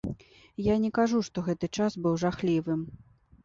Я не кажу, што гэты час быў жахлівым.